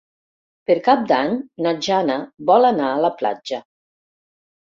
Per Cap d'Any na Jana vol anar a la platja.